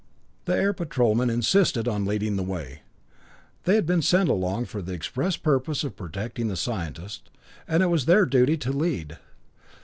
The Air Patrolmen insisted on leading the way. They had been sent along for the express purpose of protecting the scientists, and it was their duty to lead.